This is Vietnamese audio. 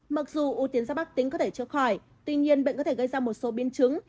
mặc dù u tiến giáp bác tính có thể trở khỏi tuy nhiên bệnh có thể gây ra một số biến chứng